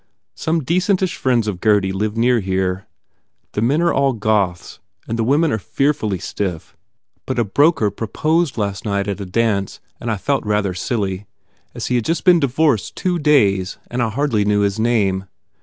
Some decentish friends of Gurdy live near here. The men are all Goths and the women are fearfully stiff but a broker proposed last night at a dance and I felt rather silly, as he has just been divorced two days and I hardly knew his name.